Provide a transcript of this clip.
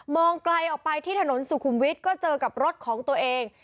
ไกลออกไปที่ถนนสุขุมวิทย์ก็เจอกับรถของตัวเอง